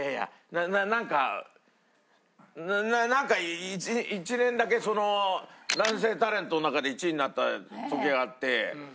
なななんかなんか１年だけ男性タレントの中で１位になった時があって。